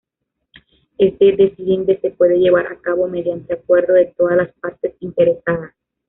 Este deslinde se puede llevar a cabo mediante acuerdo de todas las partes interesadas.